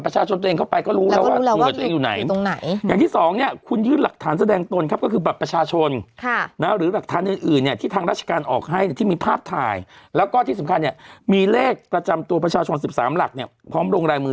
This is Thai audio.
พร้อมรงรายมือชื่อเนี่ย